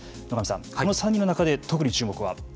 野上さんこの３人の中で特に注目は？